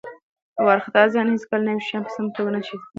وارخطا ذهن هیڅکله نوي شیان په سمه توګه نه شي زده کولی.